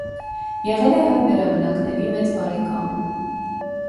Եղել է հայ վերաբնակների մեծ բարեկամը։